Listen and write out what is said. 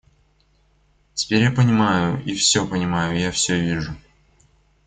Теперь я понимаю, и всё понимаю, я всё вижу.